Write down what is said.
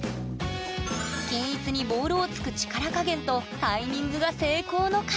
均一にボールを突く力加減とタイミングが成功の鍵！